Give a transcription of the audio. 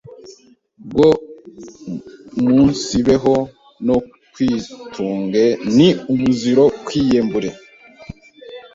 bwo umunsibeho no kwitunge. Ni umuziro kwiyembure